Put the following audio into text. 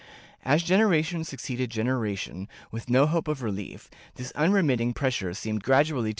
As generation succeeded generation, with no hope of relief, this unremitting pressure seemed gradually ' Archive hist, nacional, Inq.